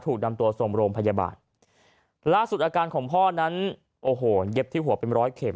ถูกนำตัวส่งโรงพยาบาลล่าสุดอาการของพ่อนั้นโอ้โหเย็บที่หัวเป็นร้อยเม็